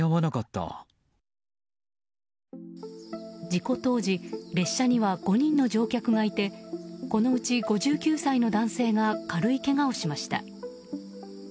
事故当時列車には５人の乗客がいてこのうち５９歳の男性が軽いけがをしました。